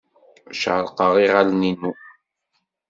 Cerrqeɣ iɣallen-inu.